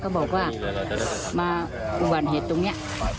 ก็บอกว่ามาอุบันเห็นตรงนี้